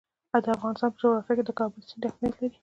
د افغانستان په جغرافیه کې د کابل سیند اهمیت لري.